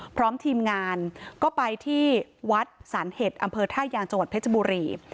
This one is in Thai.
พร้อมทีมงานก็ไปที่วัดสานเห็ดอำเภอท่ายางจังหวัดเพชรบุรี